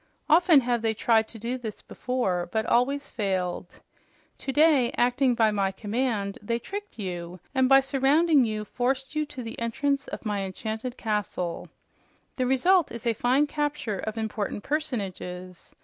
Often have they tried to do this before, but always failed. Today, acting by my command, they tricked you, and by surrounding you forced you to the entrance of my enchanted castle. The result is a fine capture of important personages.